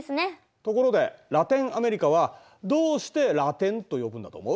ところでラテンアメリカはどうしてラテンと呼ぶんだと思う？